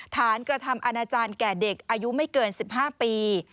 กระทำอาณาจารย์แก่เด็กอายุไม่เกิน๑๕ปี